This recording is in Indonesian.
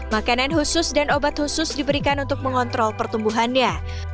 makanan khusus dan obat khusus diberikan untuk mengontrol pertumbuhannya